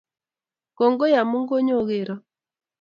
Kongoi amu konyogero